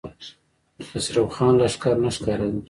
د خسرو خان لښکر نه ښکارېده.